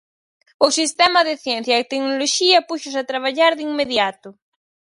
O sistema de ciencia e tecnoloxía púxose a traballar de inmediato.